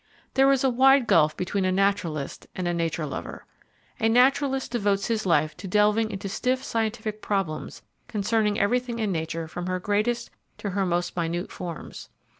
There is a wide gulf between a Naturalist and a Nature Lover. A Naturalist devotes his life to delving into stiff scientific problems concerning everything in nature from her greatest to her most minute forms.